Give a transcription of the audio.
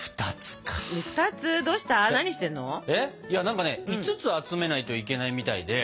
何かね５つ集めないといけないみたいで。